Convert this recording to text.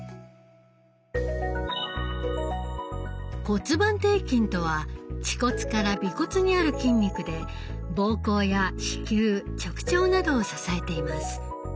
骨盤底筋とは恥骨から尾骨にある筋肉で膀胱や子宮直腸などを支えています。